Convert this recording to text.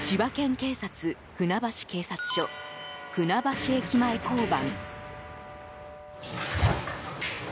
警察船橋警察署船橋駅前交番。